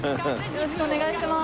よろしくお願いします。